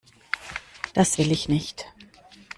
Das will ich nicht!